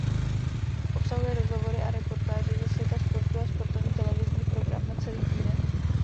Obsahuje rozhovory a reportáže ze světa sportu a sportovní televizní program na celý týden.